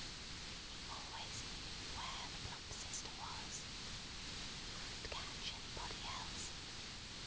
He always knew where the plump sister was. He wouldn't catch anybody else.